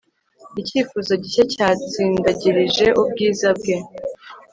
Icyifuzo gishya cyatsindagirije ubwiza bwe